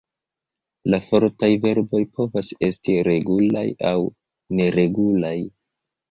La fortaj verboj povas esti regulaj aŭ neregulaj.